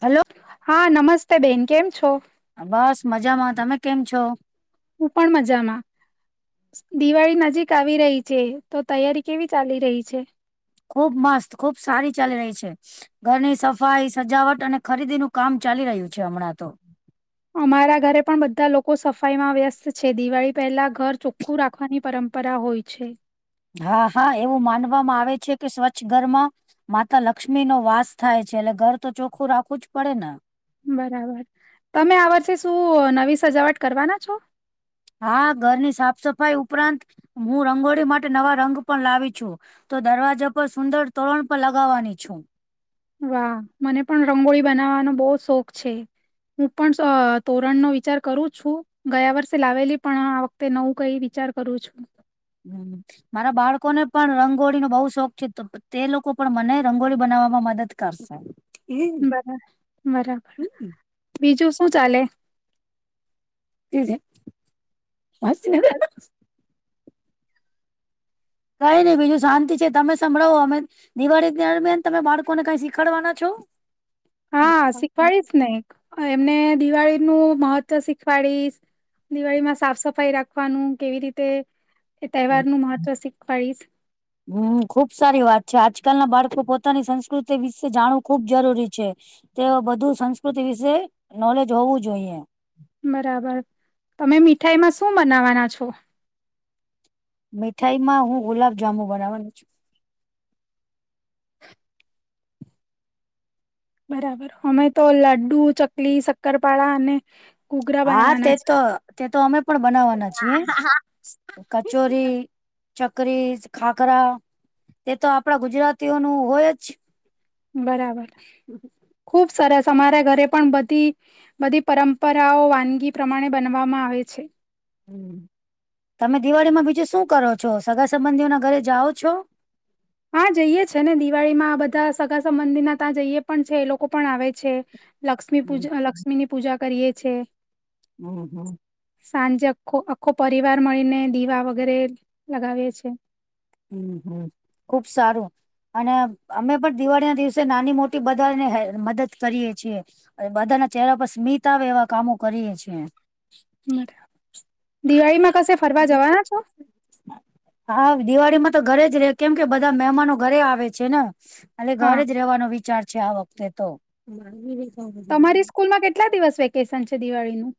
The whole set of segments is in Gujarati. હલો. હા નમસ્તે બેન. કેમ છો? આ બસ મજામાં. તમે કેમ છો? હું પણ મજામાં. દિવાળી નજીક આવી રહી છે, તો તૈયારી કેવી ચાલી રહી છે? ખુબ મસ્ત, ખુબ સારી ચાલી રહી છે. ઘરની સફાઈ, સજાવટ અને ખરીદી નું કામ ચાલી રહ્યું છે હમણાં તો. અમારા ઘરે પણ બધા લોકો સફાઈ માં વ્યસ્ત છે. દિવાળી પહેલા ઘર ચોખ્ખું રાખવાની પરં પરા હોય છે. હા, હા એવું માનવામાં આવે છે કે સ્વચ્છ ઘરમાં માતા લક્ષ્મી નો વાસ થાય છે, એટલે ઘર તો ચોખ્ખું રાખવું જ પડે ના. બરાબર. તમે આ વર્ષે શું નવી સજાવટ કરવાના છો? હા ઘરની સાફ-સફાઈ ઉપરાંત હું રંગોળી માટે નવા રંગ પણ લાવી છું. તો દરવાજા પર સુંદર તોરણ પણ લગાવવાની છું. વાહ! મને પણ રંગોળી બનાવવાનો બહું શોખ છે. હું પણ અહ તોરણનો વિચાર કરું છું, ગયા વર્ષે લાવેલી પણ આ વખ ખતે નવું કંઈ વિચાર કરું છું. હમ્મ. મારા બાળકોને પણ રંગોળીનો બહુ શોખ છે તો તે લોકો પણ મને રંગોળી બનાવવામાં મદદ કરશે બરા બરાબર હમ, બીજું શું ચાલે તીજ મસ્ કઈ નહી બીજું શાંતિ છે તમે સંભળાવો અમે દિવાળી દરમિયાન તમે બાળકોને કઈ શીખાડવાના છો. હા શીખવાડીશ ને એમને દિવાળી નું મહત્વ શીખવાડીશ દિવાળીમાં સાફ સફાઈ રાખવાનું કેવી રીતે એ તહેવાર નું મહત્વ શીખવાડીશ હમ ખુબ સારી વાત છે આજકાલ ના બાળકો પોતાની સંસ્કૃતિ વિશે જાણવું ખુબ જરૂરી છે. તે બધું સંસ્કૃતિ વિશે નોલેજ હોવું જોઈએ બરાબર તમે મીઠાઈમાં શું બનાવાના છો. મીઠાઈ માં હું ગુલાબજામુ બનાવાનું છું. બરાબર અમે તો લાડ્ડુ ચકલી શક્કરપાળા અને ઘૂઘરા હા તે બનાવવાના તો છે તે તો અમે પણ બનાવવાના છીએ કચોરી ચકરી ખાખરા એ તો આપડા ગુજરાતીઓ નું હોય જ બરાબર ખુબ સરસ અમારા ઘરે પણ બધી બધી પરંપરાઓ વાનગી પ્રમાણે બનવામાં આવે છે. હમ તમે દિવાળીમાં બીજું શું કરો છો સગા સંબંધીઓના ઘરે જાઓ છો. હા જઈે છે ને દિવાળી માં બધા સગા સં મંદિરના ત્યાં જઈએે પણ છે એ લોકો પણ આવે છે. લક્ષ્મી પૂજ હમ લક્ષ્મીની પૂજા કરીએ છે. હમ હમ સાંજે આખો આખો પરિવાર મળીને દીવા વગેરે લગાવીએ છે. હમ હમ ખુબ સારું અને અમે પણ દિવાળીના દિવસે નાની મોટી બધાને મદદ કરીએ છીએ. અને બધાના ચહેરા પર સ્મિતા આવે એવા કામો કરીએ છેીએ. બરા દિવાળીમાં કશે ફરવા જવાના છો. હા દિવાળીમાં તો ઘરે જ ર કેમ કે બધા મહેમાનો ઘરે આવે છે ને. એ હા. ઘરે જ રેવાનો વિચાર છે આ વખતે તો. તમારી સ્કૂલ માં કેટલા દિવસ વેકેશન છે દિવાળીનું.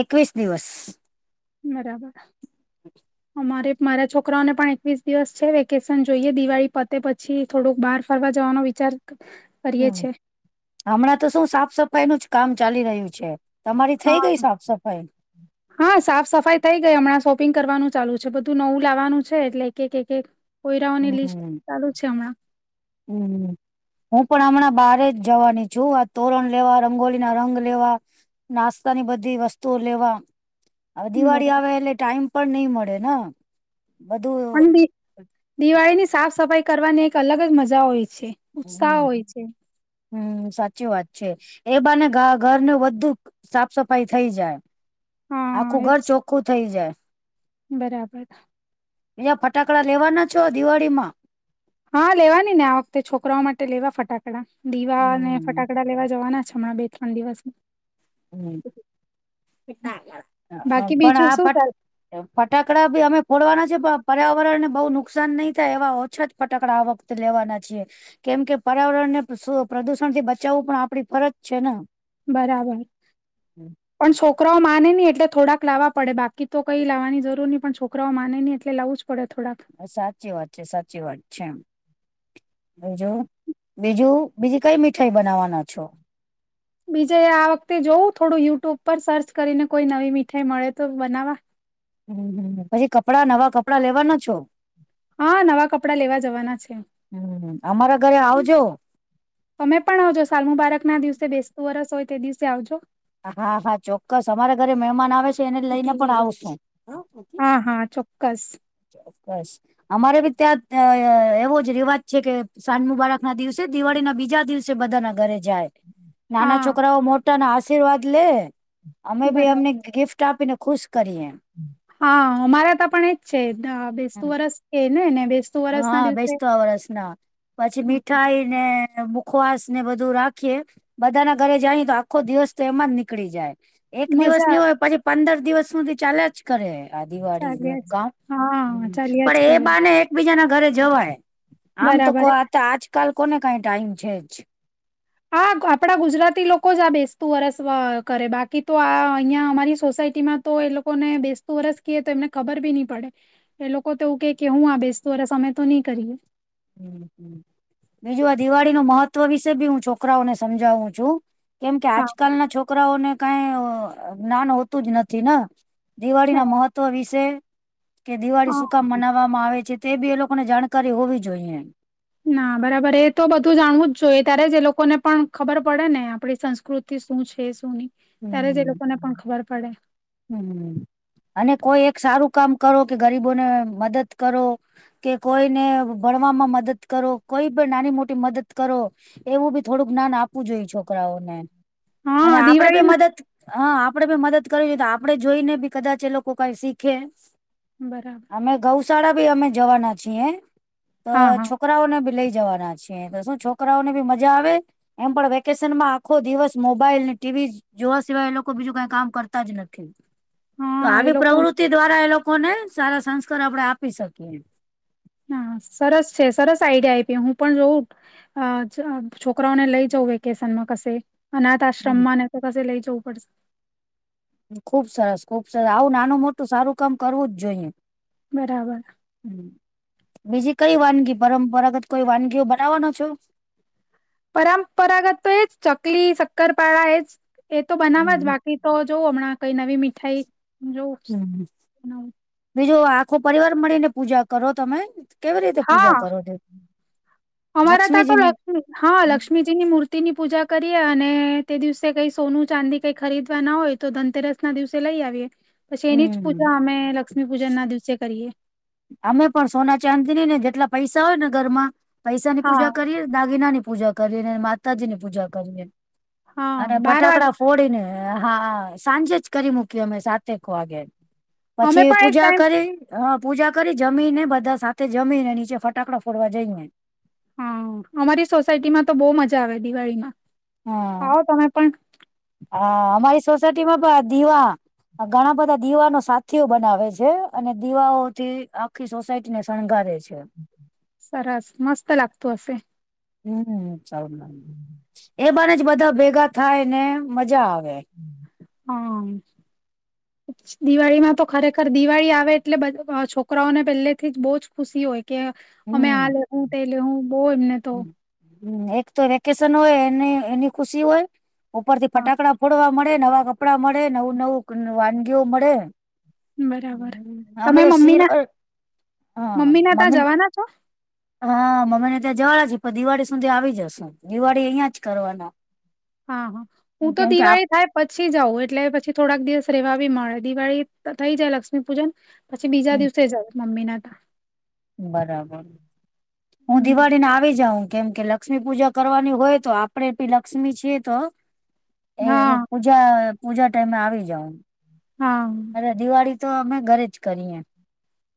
એકવીસ દિવસ. બરાબર. [inaudible] અમારે મારા છોકરાઓને પણ એકવીસ દિવસ છે વેકેશન જોઈએ દિવાળી પતે પછી. થોડુંક બહાર ફરવા જવાનો વિચાર. કરીએ હમ છે હમણાં તો શું સાફ સફાઈ નું જ કામ ચાલી રહ્યું છે. તમારી થઈ હા ગઈ સાફ સફાઈ. હા સાફ સફાઈ થઈ ગઈ હમણાં શોપિંગ કરવાનું ચાલુ છે બધું નવું લાવવાનું છે એટલે એક એક એક. કોયરાઓની લિસ્ટ હમ. ચાલુ છે હમણાં. હમ. હું પણ હમણાં બહાર જ જવાની છું આ તોરણ લેવા રંગોલીના રંગ લેવા. નાસ્તાની બધી વસ્તુઓ લેવા. હવે હમ, દિવાળી બરાબર આવે એટલે ટાઈમ પણ નઈિ મળે ને બધું. પણ દી દિવાળીની સાફ સફાઈ કરવાની એક અલગજ મજા હોય છે. ઉત્સાહ હમ હોય છે હમ સાચી વાત છે એ બને ઘરનું બધું. સાફ સફાઈ થઈ જાય હા આખું એજ ઘર ચોખ્ખું થઈ જાય. બરાબર. બીજા ફટાકડા લેવાના છો દિવાળીમાં. હા લેવાની ને આ વખતે છોકરાઓ માટે લેવા ફટાકડા દીવા ને ફટ. હમ ટાકડા લેવા જવાના છે હમણાં બે ત્રણ દિવસ. હમ. બાકી પણ બીજું આ ફટાક શું કર. ફટાકડા બી અમે ફોડવાના છે પણ પર્યાવરણને બહુ નુકસાન નહી થાય એવા ઓછા. ફટાકડા આ વખતે લેવાના છીએ. કેમ કે પર્યાવરણ ને પ્રદુષણથી બચાવવું પણ આપડી ફરજ છે ને. બરાબર. હમ. પણ છોકરાઓ માને નહી એટલે થોડાક લાવવા પડે બાકી તો કઈ લાવવાની જરૂર નહી પણ છોકરાઓ માને નહી એટલે લાવું. પડે થોડા. સાચી વાત છે સાચી વાત છે એમ. બીજું બીજું બીજી કઈ મીઠાઈ બનાવવાના છો. બીજે આ વખતે જોવું થોડું યુટ્યુબ પર સર્ચ કરીને કોઈ નવી મીઠાઈ મળે તો બનાવા. હમ પછી કપડા નવા કપડાં લેવાના છો. હા નવા કપડાં લેવા જવાના છે હમ અમારા ઘરે આવજો. તમે પણ આવજો સાલમું બાળકના દિવસે બેસતું વરસ હોય તે દિવસે આવજો. હા હા ચોક્કસ અમારા ઘરે મહેમાન આવે છે એને લઈને પણ આવશું. હા હા ચોક્કસ. ઓફકોસ. અમારે બી ત્યાં એવોજ રિવાજ છે કે સાંજ મુબારાકના દિવસે દિવાળીના બીજા દિવસે બધાના. ઘરે જાય નાના હા છોકરાઓ મોટાના આશીર્વાદ લે અમે બી બરાબર એમની. ગિફ્ટ આપીને ખુશ કરીએ. હા અમારા ત પણ એજ છે બેસતું વરસ છે ને ને બેસતું. વરસ ના હા દિવસે બેસતો વર્ષના પછી હમ મીઠાઈને. મુૂખવાસ ને બધું રાખીએ બધાના ઘરે જાય તો આખો દિવસ તો એમાંજ નીકળી જાય. એક દિવસ મજા ની હોય પછી પંદર દિવસ સુધી ચાલલે જ કરે. આદિવાળ ન જાગ્યા છે કામ હા ચાલ્યા જ પણ એ કરે બાને એકબીજા ના ઘરે જવાય આમ તો બરાબર કો આજકાલ કોને કઈ ટાઈમ છે જ. હા આપણા ગુજરાતી લોકો જ આ બેસતું વરસ કરે બાકી તો આ અહીિયાં અમારી સોસાયટીમાં તો એ લોકોને બેસતું વરસ કએ તો એમને ખબર બી નહી પડે. એ લોકો તો એવું કે કે હું આ બેસતો અ સમમે તો નહી કરીએ. હ બીજું આ દિવાળી ન મહત્વ વિશે બી હું છોકરાઓને સમજાવું છુ કેમ કે હા આજકાલ ના છોકરાઓને કઈ જ્ઞાન હોતું જ નથી ને. દિવાળી ના બરાબર મહત્વ વિશે કે દિવાળી સુકામ હા મનાવવામાં આવે છે. તે બી એ લોકોને જાણકારી હોવી જોઈએ. ના બરાબર એ તો બધું જાણવું જ જોઈએ ત્યારે જ એ લોકોને પણ ખબર પડે ને આપડી સંસ્કૃતિ થી શું છે શું નહી ત્યારે જ એ હમ લોકો ને પણ ખબર પડે. હમ અને કોઈ એક સારું કામ કરો કે ગરીબોને મદદ કરો કે કોઈને ભણવામાં મદદ કરો કોઈ પણ નાની મોટી મદદ કરો. એવું બી થોડુંક જ્ઞાન આપવું જોઈએ છોકરાઓને અને હા આપડે ભી દિવાળીમાં મદદ હ આપડે ભી મદદ કરવી છે તો આપ આપણે જોઈ ને બી કદાચ એ લોકો કઈ શીખે. બરાબર અમે ગૌશાળા ભી અમે જવાના છીએ તો હા છો. હા છોકરાઓ ને બી લઈ જવાના છી તો શું છોકરાઓ ને બી મજા આવે. એમ પણ વેકેશન માં આખો દિવસ મોબાઈલ ટીવી જોવા સિવાય એ લોકો બીજું કઈ કામ કરતા જ નથી. તો હા એ આવી લોકો પ્રવૃતિ દ્વારા એ લોકોને સારા સંસ્કાર આપડે આપી શકીએ. હા સરસ છે સરસ આઈડિયા આપી હું પણ જોઉં અ છોકરાઓને લઈ જઉ વેકેશનમાં કશે. અનાથ આશ્રમમાંના કસ લઈ જવું પડશે. ખુબ સરસ ખુબ સરસ આવું નાનું મોટું સારું કામ કરવું જ જોઈએ. બરાબર હ બીજી કઈ વાનગી પરંપરાગત કોઈ વાનગીઓ બનાવવાનો છો. પરંપરાગત તો એજ ચકલી શક્કરપાળા એજ એ તો બનાવા જ હમ બાકી તો જોવું હમણાં કઈ નવી મીઠાઈ જોવું હમ્મ બનાવું. બીજો આખો પરિવાર મળીને પૂજા કરો તમે. કેવી રીતે પૂજા હા કરો તે. અમારા ત તો લક્ષ્મી હા લક્ષ્ સ્મીજી ની મૂર્તિની પૂજા કરીએ અને તે દિવસે કઈ સોનું ચાંદી કઈ ખરીદવા ના હોય તો ધનતેરસ ના દિવસે લઈ આવીએ પછી એની જ હમ પૂજા અમે લક્ષ્મી પૂજન ના દિવસે કરીએ. અમે પણ સોના ચાંદીની ને જેટલા પૈસા હોય ને ઘરમાં પૈસા ની હા પૂજા કરીએ. દાગીના ની પૂજા કરીએ માતાજી ની પૂજા કરી હા અને બાર વાગે ફટાકડા ફોડી ને હા સાંજે જ કરી મૂકી અમે સાતેક વાગે. અમે પછી પણ એક પૂજા ટાઈમ કરી હ પૂજા કરી જમીને બધા સાથે જમી ને નીચે ફટાકડા ફોડવા જઈ ને. હા અમારી સોસાયટીમાં તો બહ મજા આવે દિવાળીમાં હા આવ તમે પણ હા અમારી સોસાયટીમાં બ દીવા આ ઘણા બધા દીવા ન સાથીઓ બનાવે છે અને દીવાઓથી આખી સોસાયટી ને શણગારે છે. સરસ મસ્ત લાગતું અશે. હમ સ એ બને જ બધા ભેગા થાય ને મજા આવે. હા. દિવાળી માં તો ખરેખર દિવાળી આવે એટલે છોકરાઓને પેલે થી જ બહુ જ ખુશી હોય. કે અમે હમ આ લેહ તે લેહું બહ એમને તો એક તો વેકેશન હોય એની એની ખુશી હોય. ઉપર થી હા ફટાકડા ફોડવા મળે નવા કપડાં મળે નવું નવું વાનગીઓ મળે. બરાબર અમે તમે તો મમ્મી શીર ના મમ્મી ના ત્યાં જવાના છો? હા મમ્મીને ત્યાં જવાડા છે પણ દિવાળી સુધી આવી જશ દિવાળી અહિયાં જ કરવાના. હા હા હું તો કેમ કે આપ દિવાળી થાય. પછી જવું એટલે પછી થોડાક દિવસ રેવા બી મળે દિવાળી થઈ જાય લક્ષ્મી પૂજન પછી બીજા દિવસે જાય મમ્મી ના બરાબર હું દિવાળીને આવી જાઉ કેમ કે લ લક્ષ્મી પૂજા કરવાની હોય તો આપડે ભી લક્ષ્મી છીએ તો એ પ હા પજા પૂજા ટાઈમે આવી જઓ ને હા. દિવાળી તો અમે ઘરે જ કરીએ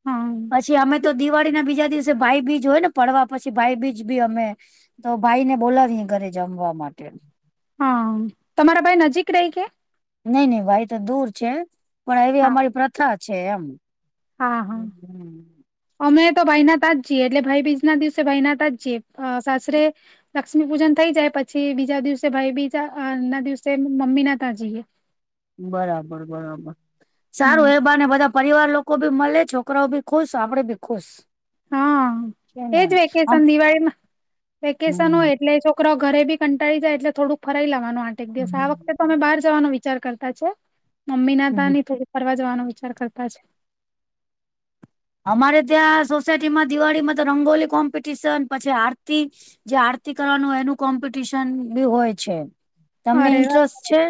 હા પછી અમે તો દિવાળી ના બીજા દિવસે ભાઈ બીજ હોય ને પડવા પછી ભાઈ બીજ બી અમે તો ભાઈ ને બોલાવી ઘરે જમવા માટે હા તમારા ભાઈ નજીક રહી કે નઈ નહી ભાઈ તો દૂર છે પણ એવી હા અમારી પ્રથા છે એમ હા હા. અમે તો ભાઈના તા જીએ એટલે ભાઈ બીજ ના દિવસે ભાઈના તા જ છીએ સાસરે લક્ષ્મી પૂજન થઈ જાય પછી બીજા દિવસે ભાઈ બીજા ના દિવસે મમ્મી ના ત્યાં જઈએ. [inaudible] બરાબર બરાબર હમ સારું એ બ ને બધા પરિવાર લોકો ભી મળે છોકરાઓ ભી ખુશ આપડે ભી ખુશ હા છે એજ ને આમ વેકેશન દિવાળીમાં વેકેશન હમ હોય એટલે છોકરો ઘરે બી કંટાી જાય એટલે થોડું ફરાઈ લેવાનું આઠ એક દિવસ હમ આ વખતે તમે બહાર જવાનો વિચાર કરતા છે મમ્મી ના હમ. તની થોડી ફરવા જવાનો વિચાર કરતા છે. અમારે ત્યાં સોસાયટી માં દિવાળીમાં તો રંગોલી કોમ્પિટિશન પછી આરતી જે આરતી કરવાનું હોય એનું કોમ્પિટિશન બી હોય છે તમને અરે વાહ! ઇન્ટરેસ્ટ છે.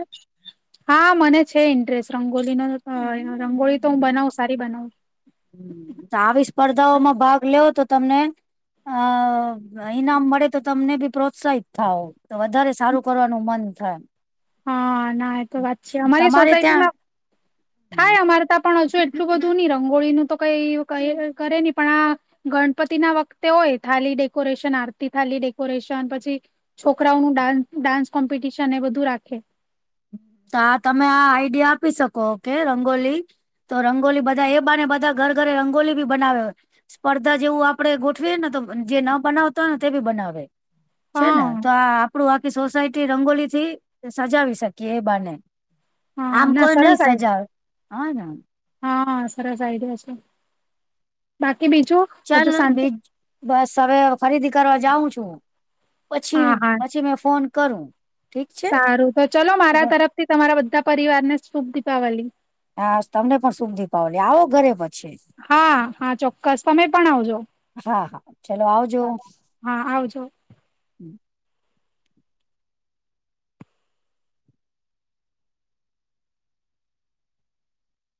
હા મને છે ઇન્ટરેસ્ટ રંગોલીનો રંગોળ તો હું બનાવ સારી બનાવું હ આવી સ્પર્ધાઓમાં ભાગ લેવ તો તમને [inaudible] અ ઈનામ મળે તો તમને બી પ્રોત્સાહિત થાવ તો વધારે સારું કરવાનું મન થાય હા ના એ તો વાત છે અમારી તમારે ત્યાં સોસાયટીમાં થાય અમારે ત પણ હજુ એટલું બધું નહી રંગોળીનુંું તો કઈ કરે નહી પણ આ ગણપતિ ના વખતે હોય થાલી ડેકોરેશન આરતી થાલી ડેકોરેશન પછી છોકરાઓ ન ડાન્સ કોમ્પિટિશન એ બધું રાખે તો આ તમે આ આઈડિયા આપી શકો કે રંગોલી તો રંગોલી બધા એ બાને બધા ઘર ઘરે રંગોલી બી બનાવે હોય. સ્પર્ધા જેવું આપડે ગોઠવીએ ને તો જે ન બનાવતા હોય ને તે બી બનાવે છે ને હા તો આ આપડું આખી સોસાયટી રંગોલી થી સજાવી શકીએ એ બાને હા આમ ના કોઈ નઈ સરસ આઈડિયા સજા હ ને હા સરસ આ આવી ગ છે બાકી બીજું ચાલ બધું શાંતિ બીજ બસ હવે ખરીદી કરવા જાઉં છું. પછી હા હા પછી મે ફોન કરું ઠીક છે સારું તો ચલો મારા તરફ થી તમારા બધા પરિવાર ને શુભ દીપાવળી હા તમને પણ સુધી પાવ લે આવો ઘરે પછી હા હા ચોક્કસ તમે પણ આવજો હા હા ચલો આવજો હા આવજો